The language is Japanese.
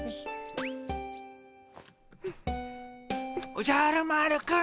おじゃる丸くん。